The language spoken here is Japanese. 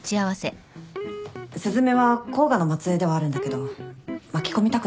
雀は甲賀の末裔ではあるんだけど巻き込みたくないんだよね。